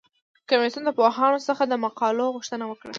کمیسیون د پوهانو څخه د مقالو غوښتنه وکړه.